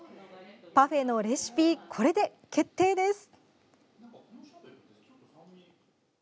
パフェのレシピ、これで決定です。